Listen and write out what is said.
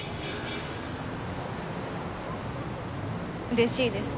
うれしいです。